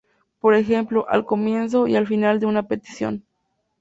Por ejemplo, al comienzo y al final de una petición.